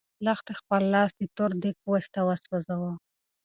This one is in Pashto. لښتې خپل لاس د تور دېګ په واسطه وسوځاوه.